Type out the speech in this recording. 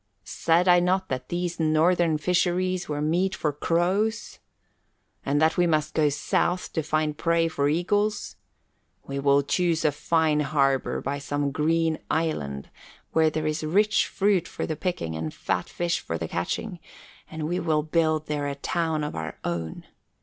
Said I not that these northern fisheries were meat for crows? And that we must go south to find prey for eagles? We will choose a fine harbour by some green island where there's rich fruit for the picking and fat fish for the catching, and we will build there a town of our own.